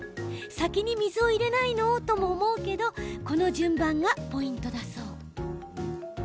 先に水を入れないの？と思うけどこの順番がポイントだそう。